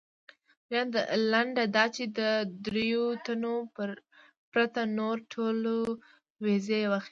لنډه دا چې د درېیو تنو پرته نورو ټولو ویزې واخیستلې.